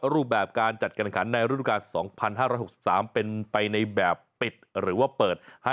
๔รูปแบบการจัดการแห่งขันในฤดูกาล๒๕๖๓เป็นไปในแบบปิดหรือเปิด